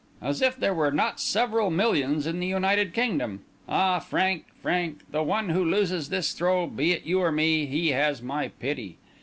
As if there were not several millions in the United Kingdom! Ah, Frank, Frank, the one who loses this throw, be it you or me, he has my pity!